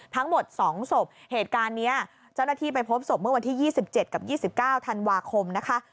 ทั้งหมดสองศพเหตุการณ์เนี้ยเจ้าหน้าที่ไปพบศพเมื่อวันที่ยี่สิบเจ็ดกับยี่สิบเก้าธันวาคมนะคะ